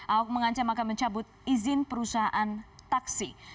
ahok mengancam akan mencabut izin perusahaan taksi